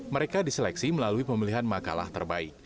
mereka diseleksi melalui pemilihan makalah terbaik